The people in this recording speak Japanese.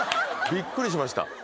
びっくりしました。